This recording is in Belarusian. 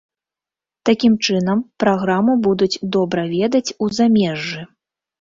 Такім чынам, праграму будуць добра ведаць у замежжы.